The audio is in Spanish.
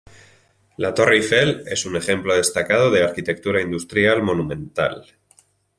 La Torre Eiffel es un ejemplo destacado de arquitectura industrial monumental.